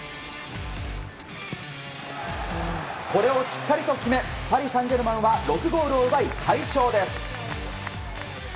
これをしっかりと決めパリ・サンジェルマンは６ゴールを奪い快勝です。